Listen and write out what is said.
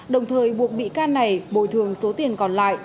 đồng thời buộc bị can này bồi thường số tiền còn lại